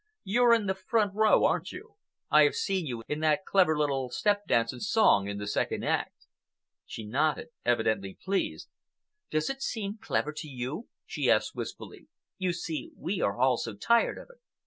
"You're in the front row, aren't you? I have seen you in that clever little step dance and song in the second act." She nodded, evidently pleased. "Does it seem clever to you?" she asked wistfully. "You see, we are all so tired of it."